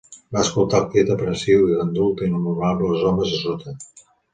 Va escoltar el crit aprensiu i gandul d'innombrables homes a sota.